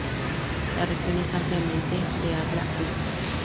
La región es ampliamente de habla Wu.